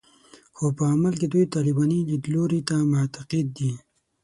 خو په عمل کې دوی طالباني لیدلوري ته معتقد دي